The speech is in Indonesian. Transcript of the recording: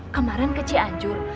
kemarin keci anjur